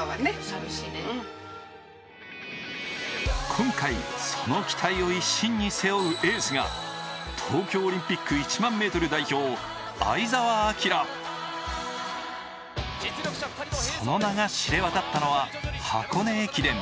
今回、その期待を一身に背負うエースが、東京オリンピック１００００ｍ代表、相澤晃。その名が知れ渡ったのは箱根駅伝。